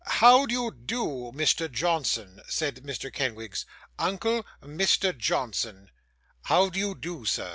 'How do you do, Mr. Johnson?' said Mrs. Kenwigs. 'Uncle Mr. Johnson.' 'How do you do, sir?